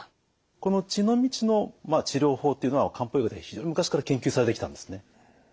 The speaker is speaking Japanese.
この血の道の治療法っていうのは漢方医学で非常に昔から研究されてきたんですね。